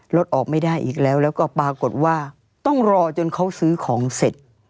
รถออกไม่ได้อีกแล้วแล้วก็ปรากฏว่าต้องรอจนเขาซื้อของเสร็จ